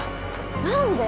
何で？